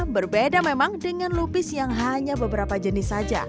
berbeda memang dengan lupis yang hanya beberapa jenis saja